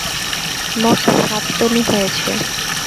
মোট সাত পেনি হয়েছে।